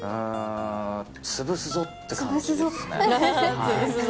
潰すぞ！って感じですね。